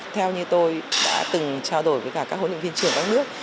theo như tôi đã từng trao đổi với cả các huấn luyện viên trưởng các nước